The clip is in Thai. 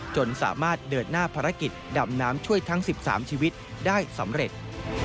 จนสามารถเดินหน้าภารกิจดำน้ำช่วยทั้ง๑๓ชีวิตได้สำเร็จ